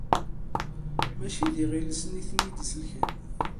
Mačči d iɣil-nsen i ten-id-isellken.